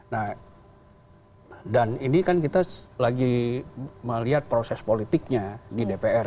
nah dan ini kan kita lagi melihat proses politiknya di dpr